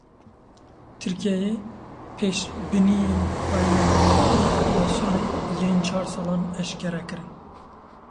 Tirkiyeyê pêşbîniyên xwe yên dolar û enfilasyonê yên çar salan eşkere kirin.